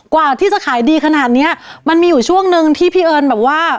กว่าที่จะขายดีขนาดเนี้ยมันมีอยู่ช่วงนึงที่พี่เอิญแบบว่า